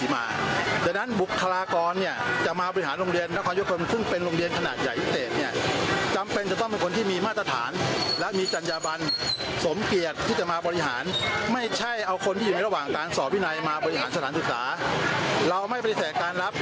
มาบริหารสถานศึกษาเราไม่ปฏิเสธการรับ